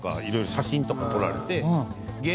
写真とか撮られて。